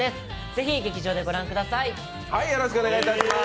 ぜひ、劇場で御覧ください。